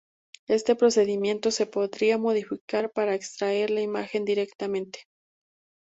Este procedimiento se podría modificar para extraer la imagen directamente.